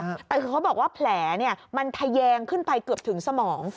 แต่คือเขาบอกว่าแผลเนี่ยมันทะแยงขึ้นไปเกือบถึงสมอง